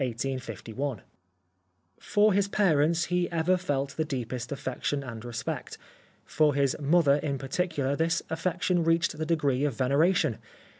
For his parents he ever felt the deepest af fection and respect. For his mother in parti cular this affection reached the degree of vener ation.